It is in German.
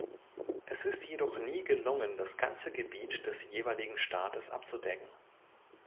Es ist jedoch nie gelungen, das ganze Gebiet des jeweiligen Staates abzudecken.